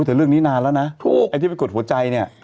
แต่เรื่องนี้นานแล้วนะถูกไอ้ที่ไปกดหัวใจเนี่ย